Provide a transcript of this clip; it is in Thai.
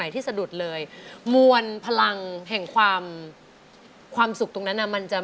ทุกคนด้านบน